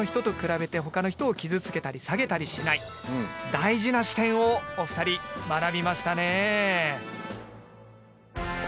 大事な視点をお二人学びましたね。